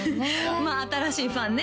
まあ新しいファンね